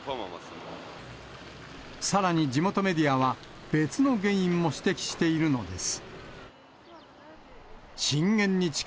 さらに地元メディアは、別の原因も指摘しているのです。